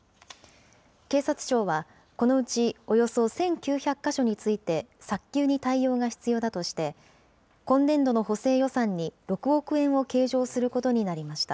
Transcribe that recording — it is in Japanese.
警察庁は、このうちおよそ１９００か所について、早急に対応が必要だとして、今年度の補正予算に６億円を計上することになりました。